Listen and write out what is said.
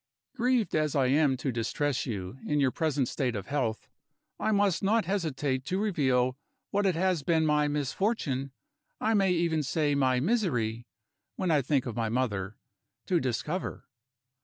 "Grieved as I am to distress you, in your present state of health, I must not hesitate to reveal what it has been my misfortune I may even say my misery, when I think of my mother to discover.